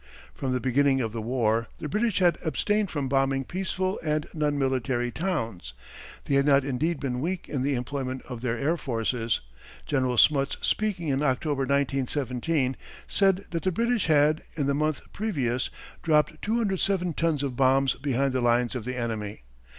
From the beginning of the war the British had abstained from bombing peaceful and non military towns. They had not indeed been weak in the employment of their air forces. General Smuts speaking in October, 1917, said that the British had, in the month previous, dropped 207 tons of bombs behind the lines of the enemy.